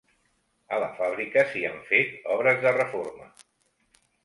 A la fàbrica s'hi han fet obres de reforma.